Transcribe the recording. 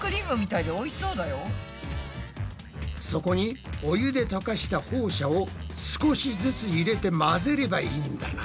そこにお湯で溶かしたホウ砂を少しずつ入れて混ぜればいいんだな。